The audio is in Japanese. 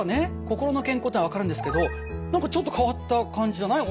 心の健康っていうのは分かるんですけど何かちょっと変わった感じじゃない？